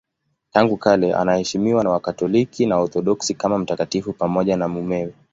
Tangu kale anaheshimiwa na Wakatoliki na Waorthodoksi kama mtakatifu pamoja na mumewe.